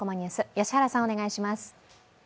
良原さん、お願いします。